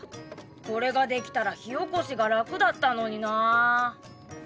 これができたら火おこしが楽だったのになあ！